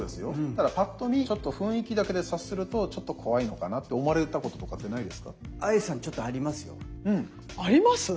ただパッと見雰囲気だけで察するとちょっと怖いのかなって思われたこととかってないですか？